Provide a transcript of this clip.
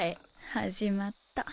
始まった。